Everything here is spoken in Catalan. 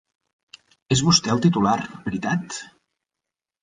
És vostè el titular, veritat?